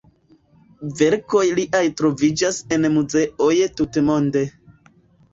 Verkoj liaj troviĝas en muzeoj tutmonde.